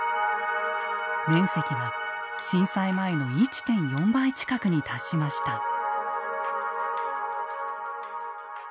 面積は震災前の１．４倍近くに達しました。